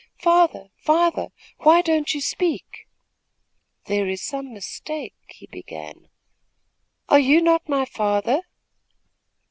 "Father, father, why don't you speak?" "There is some mistake!" he began. "Are you not my father?"